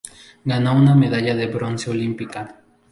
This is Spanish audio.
Ganó una medalla de bronce olímpica.